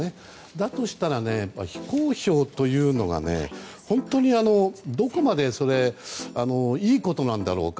だとしたら非公表というのが本当にどこまでいいことなんだろうか。